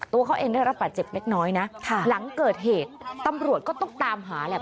ตัวเขาเองได้รับบาดเจ็บเล็กน้อยนะหลังเกิดเหตุตำรวจก็ต้องตามหาแหละ